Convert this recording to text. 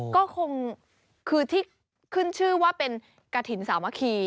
ก็คงคือที่ขึ้นชื่อว่าเป็นกระถิ่นสามัคคี